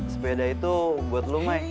sepeda itu buat lo mai